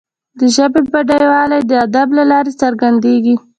د ژبي بډایوالی د ادب له لارې څرګندیږي.